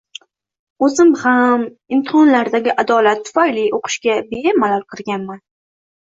O‘zim ham imtihonlardagi adolat tufayli o‘qishga bemalol kirganman.